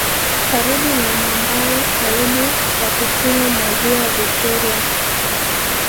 Karibu na mwambao karibu wa kusini mwa Ziwa Vivtoria